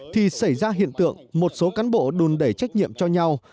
thì xảy ra hiện tượng một số cán bộ đùn đẩy trách nhiệm cho nhau